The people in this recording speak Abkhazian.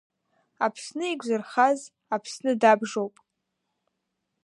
Аԥсны еиқәзырхаз, Аԥсны дабжоуп.